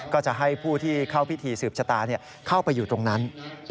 ก็จะให้ผู้ที่เข้าพิธีสืบชะตาเข้าไปอยู่ตรงนั้น